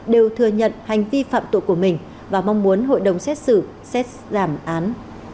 đều thừa nhận hành vi phạm tội của mình và mong muốn hội đồng xét xử xét giảm án